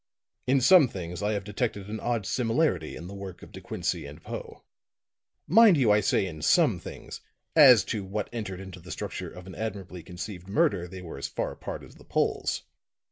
"In some things I have detected an odd similarity in the work of De Quincey and Poe. Mind you, I say in some things. As to what entered into the structure of an admirably conceived murder they were as far apart as the poles.